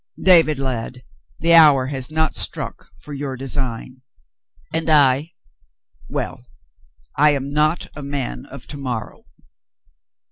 David, lad, the hour has not struck for your design. And I — well, I am not a man of to morrow."